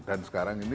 dan sekarang ini